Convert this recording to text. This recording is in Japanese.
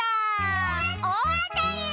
おおあたり！